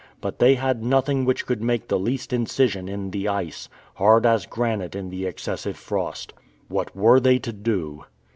But they had nothing which could make the least incision in the ice, hard as granite in the excessive frost. What were they to do?